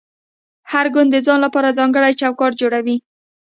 هر ګوند د ځان لپاره ځانګړی چوکاټ جوړوي